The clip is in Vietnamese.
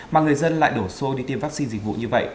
mà người dân lại đổ xô đi tiêm vaccine dịch vụ như vậy